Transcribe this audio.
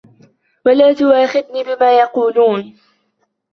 وَلَا تُؤَاخِذْنِي بِمَا يَقُولُونَ